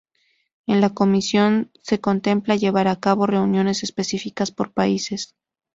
En la Comisión, se contempla llevar a cabo reuniones específicas por países.